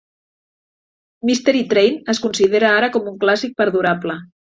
"Mystery Train"es considera ara com un "clàssic perdurable".